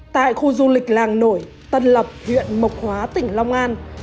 tại khu du lịch làng nổi tân lập huyện mộc hóa tỉnh long an